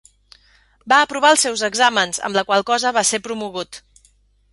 Va aprovar els seus exàmens, amb la qual cosa va ser promogut.